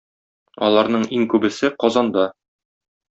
Аларның иң күбесе - Казанда